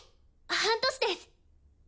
半年です。